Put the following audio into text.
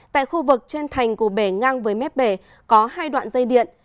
tại khu vực trên thành của bể ngang với mép bể có hai đoạn dây điện